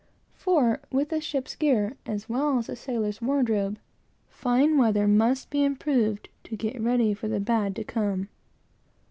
For, with a ship's gear, as well as a sailor's wardrobe, fine weather must be improved to get ready for the bad to come.